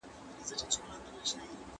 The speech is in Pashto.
دا ليکنې له هغه ګټورې دي،